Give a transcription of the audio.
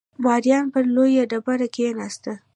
ماريا پر لويه ډبره کېناسته.